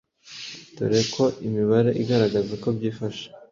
dore ko imibare igaragaza uko byifashe